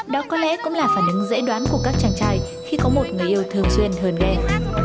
đó có lẽ cũng là phản ứng dễ đoán của các chàng trai khi có một người yêu thường xuyên hơn nghe